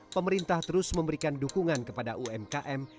pemerintah terus memberikan dukungan kepada umkm